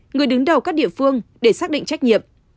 người đứng đầu các địa phương để xác định trách nhiệm